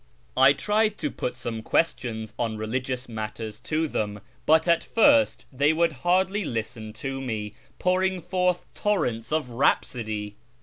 I tried to put some questions on religious matters to them, but at first they would hardly listen to me, pouring forth torrents of rhapsody.